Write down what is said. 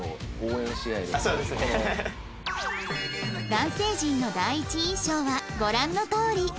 男性陣の第一印象はご覧のとおり